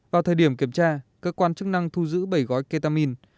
vào thời điểm kiểm tra cơ quan chức năng thu giữ bảy gói ketamin